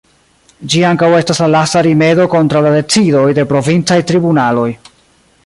Ĝi ankaŭ estas la lasta rimedo kontraŭ la decidoj de provincaj tribunaloj.